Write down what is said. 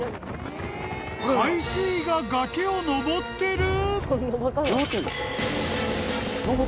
［海水が崖をのぼってる！？］